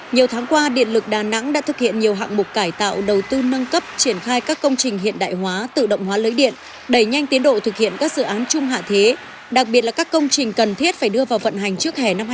nhiều tháng qua điện lực đà nẵng đã thực hiện nhiều hạng mục cải tạo đầu tư nâng cấp triển khai các công trình hiện đại hóa tự động hóa lưới điện đẩy nhanh tiến độ thực hiện các dự án chung hạ thế đặc biệt là các công trình cần thiết phải đưa vào vận hành trước hẻ năm hai nghìn hai mươi